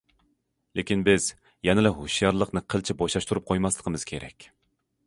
لېكىن، بىز يەنىلا ھوشيارلىقنى قىلچە بوشاشتۇرۇپ قويماسلىقىمىز كېرەك.